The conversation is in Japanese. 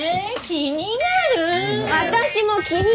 気になる！